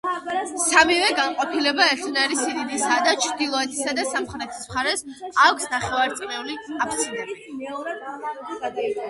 სამივე განყოფილება ერთნაირი სიდიდისაა და ჩრდილოეთისა და სამხრეთის მხარეს აქვთ ნახევარწრიული აფსიდები.